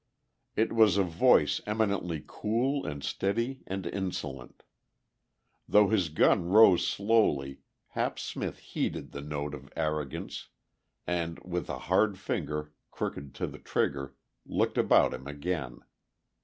It was a voice eminently cool and steady and insolent. Though his gun rose slowly Hap Smith heeded the note of arrogance and, with a hard finger crooking to the trigger, looked about him again.